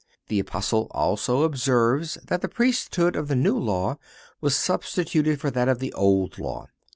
The Apostle also observes that the priesthood of the New Law was substituted for that of the Old Law.